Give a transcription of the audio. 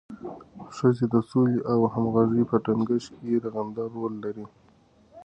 ښځې د سولې او همغږۍ په ټینګښت کې رغنده رول لري.